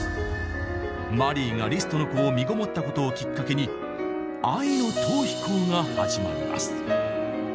マリーがリストの子をみごもったことをきっかけに愛の逃避行が始まります。